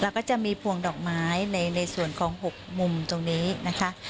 แล้วก็จะมีพวงดอกไม้ในส่วนของ๖มุมตรงนี้นะคะ